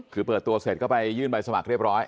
คือเปิดตัวเสร็จก็ไปยื่นใบสมัครเรียบร้อย